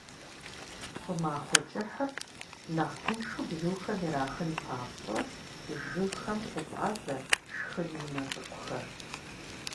ЩӀымахуэ кӀыхьыр нэхъ тыншу бзухэм ирахын папщӀэ, жыгхэм хуфӀадзэ шхын унэ цӀыкӀухэр.